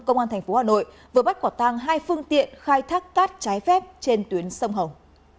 công an thành phố hà nội vừa bắt quả tàng hai phương tiện khai thác cát trái phép trên tuyến sông hồng